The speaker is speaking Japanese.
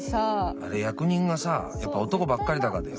あれ役人がさやっぱ男ばっかりだからだよ。